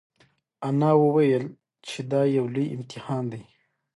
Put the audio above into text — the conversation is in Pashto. انا وویل چې دا یو لوی امتحان دی.